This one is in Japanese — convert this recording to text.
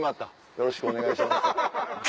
よろしくお願いします。